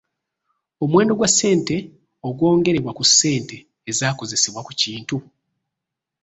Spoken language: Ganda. Omuwendo gwa ssente ogwongerebwa ku ssente ezaakozesebwa ku kintu.